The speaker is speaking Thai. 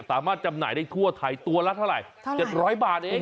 จำหน่ายได้ทั่วไทยตัวละเท่าไหร่๗๐๐บาทเอง